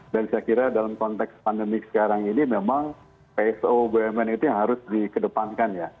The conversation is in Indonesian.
dan saya kira dalam konteks pandemi sekarang ini memang pso bumn itu yang harus dikedepankan